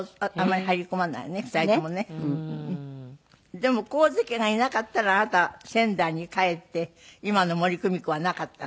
でも神津家がいなかったらあなたは仙台に帰って今の森公美子はなかったの？